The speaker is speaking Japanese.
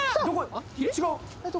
違う？